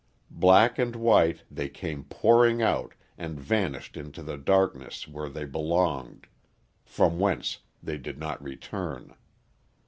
Black and white, they came pouring out and vanished into the darkness where they belonged from whence they did not return.